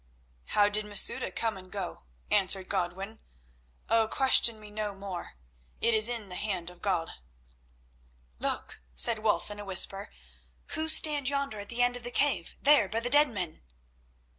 "How did Masouda come and go?" answered Godwin. "Oh, question me no more; it is in the hand of God." "Look," said Wulf, in a whisper. "Who stand yonder at the end of the cave—there by the dead men?"